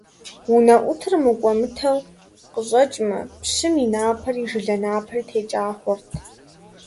УнэӀутыр мыкӀуэмытэу къыщӀэкӀмэ, пщым и напэри, жылэ напэри текӀа хъурт.